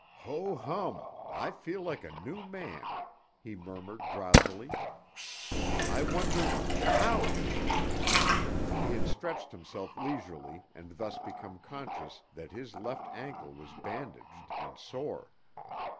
"Ho, hum! I feel like a new man," he murmured drowsily. "I wonder—ow!" He had stretched himself leisurely and thus became conscious that his left ankle was bandaged and sore.